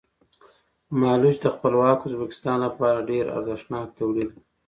مالوچ د خپلواک ازبکستان لپاره ډېر ارزښتناک تولید و.